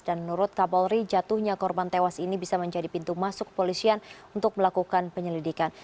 dan menurut kapolri jatuhnya korban tewas ini bisa menjadi pintu masuk polisian untuk melakukan penyelidikan